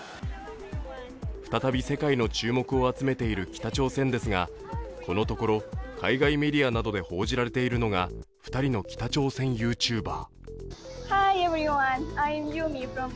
再び世界の注目を集めている北朝鮮ですがこのところ、海外メディアなどで報じられているのが２人の北朝鮮ＹｏｕＴｕｂｅｒ。